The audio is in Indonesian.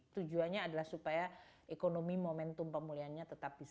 tujuannya adalah supaya ekonomi momentum pemulihannya tetap bisa